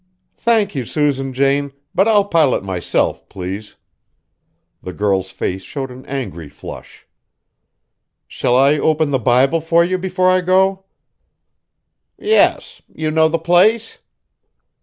"Thank you, Susan Jane, but I'll pilot myself, please." The girl's face showed an angry flush. "Shall I open the Bible for you before I go?" "Yes; you know the place?"